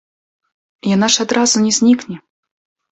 Яна ж адразу не знікне!